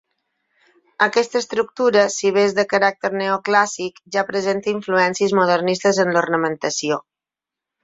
Aquesta estructura, si bé és de caràcter neoclàssic, ja presenta influències modernistes en l'ornamentació.